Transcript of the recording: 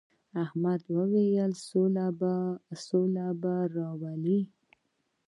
احمد وويل: سوله به راولې.